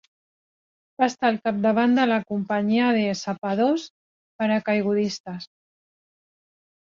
Va estar al capdavant de la Companyia de Sapadors Paracaigudistes.